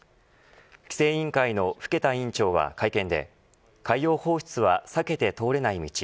規制委員会の更田委員長は会見で海洋放出は避けて通れない道。